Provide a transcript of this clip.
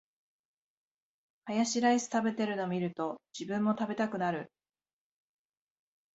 ハヤシライス食べてるの見ると、自分も食べたくなる